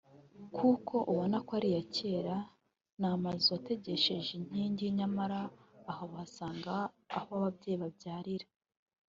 kuko ubona ko ari aya kera ni amazu ategesheje inkingi nyamara aha uhasanga aho ababyeyi babyarira